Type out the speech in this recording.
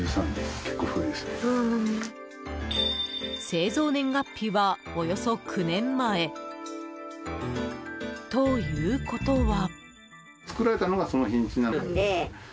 製造年月日は、およそ９年前。ということは。